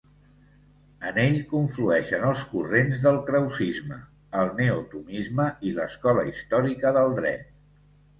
En ell conflueixen els corrents del krausisme, el neotomisme i l'escola històrica del dret.